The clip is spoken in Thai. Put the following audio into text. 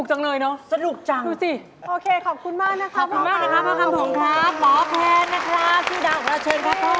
พ่อตกใจเลยด้วย